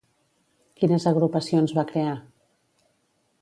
Quines agrupacions va crear?